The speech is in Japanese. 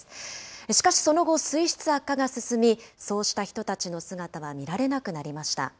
しかしその後、水質悪化が進み、そうした人たちの姿は見られなくなりました。